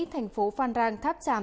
thành phố phan rang tháp tràm